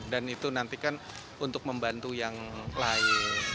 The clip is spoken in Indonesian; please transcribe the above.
dan itu nantikan untuk membantu yang lain